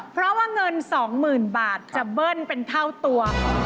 เพราะว่าเงิน๒๐๐๐บาทจะเบิ้ลเป็นเท่าตัว